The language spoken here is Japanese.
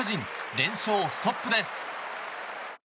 連勝ストップです。